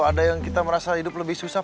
ada yang kita merasa hidup lebih susah